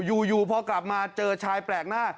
อยู่พอกลับมาเจอชายแปลกหน้า